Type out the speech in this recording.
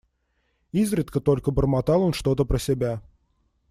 Изредка только бормотал он что-то про себя.